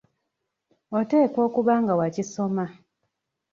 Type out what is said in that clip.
Oteekwa okuba nga wakisoma.